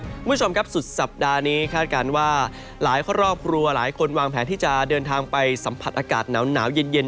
คุณผู้ชมครับสุดสัปดาห์นี้คาดการณ์ว่าหลายครอบครัวหลายคนวางแผนที่จะเดินทางไปสัมผัสอากาศหนาวเย็น